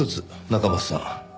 中松さん